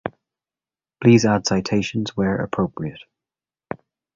Please add citations where appropriate.